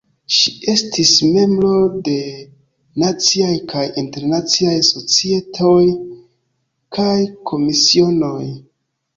Ŝi estis membro de Naciaj kaj Internaciaj Societoj kaj Komisionoj.